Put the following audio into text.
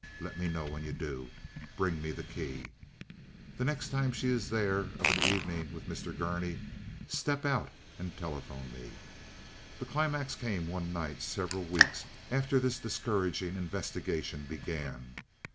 Let me know when you do. Bring me the key. The next time she is there of an evening with Mr. Gurney step out and telephone me." The climax came one night several weeks after this discouraging investigation began.